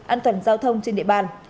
an toàn giao thông trên địa bàn